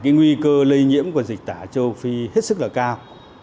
nguy cơ lây nhiễm của dịch tà châu phi hết sức cao